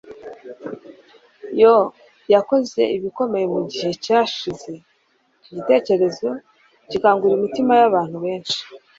yo yakoze ibikomeye mu gihe cyashize? Icyo gitekerezo gikangura imitima y'abantu benshi,